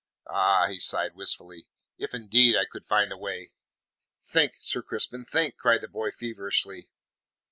Ah," he sighed wistfully, "if indeed I could find a way." "Think, Sir Crispin, think," cried the boy feverishly.